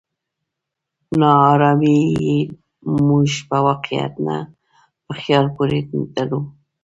ناارادي يې موږ په واقعيت نه، په خيال پورې تړو.